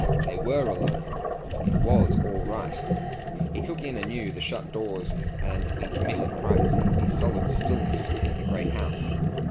They WERE alone it WAS all right: he took in anew the shut doors and the permitted privacy, the solid stillness of the great house.